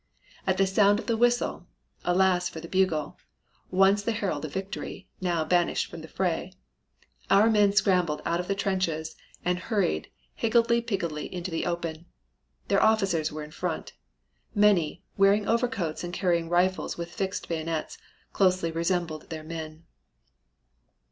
At the sound of the whistle alas for the bugle, once the herald of victory, now banished from the fray! our men scrambled out of the trenches and hurried higgledy piggledy into the open. Their officers were in front. Many, wearing overcoats and carrying rifles with fixed bayonets, closely resembled their men.